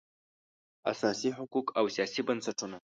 اساسي حقوق او سیاسي بنسټونه